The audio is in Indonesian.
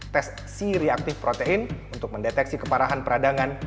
tes c reaktif protein untuk mendeteksi keparahan peradangan